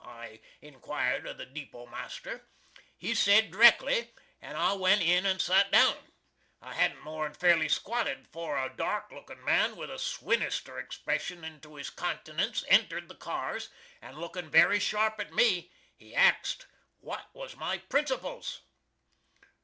I inquired of the depot master. He sed direckly, and I went in & sot down. I hadn't more'n fairly squatted afore a dark lookin man with a swinister expression onto his countenance entered the cars, and lookin very sharp at me, he axed what was my principles?